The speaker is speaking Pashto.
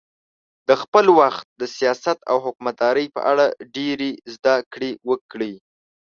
د خپل وخت د سیاست او حکومتدارۍ په اړه ډېرې زده کړې وکړې.